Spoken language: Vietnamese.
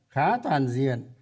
khá toàn diện